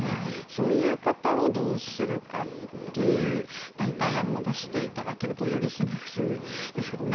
そういう方をどうするかという代替案も出していただけるとよりスムーズですけどもね。